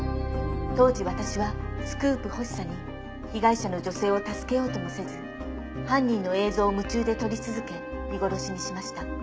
当時わたしはスクープ欲しさに被害者の女性を助けようともせず犯人の映像を夢中で撮り続け見殺しにしました。